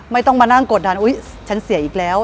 ไม่ต้องมานั่งกดดันอุ๊ยฉันเสียอีกแล้ว